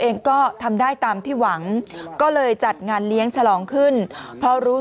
เองก็ทำได้ตามที่หวังก็เลยจัดงานเลี้ยงฉลองขึ้นเพราะรู้